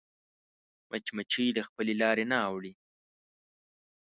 مچمچۍ له خپلې لارې نه اوړي